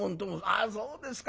「ああそうですか。